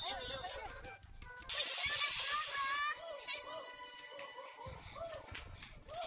wih kita sudah berubah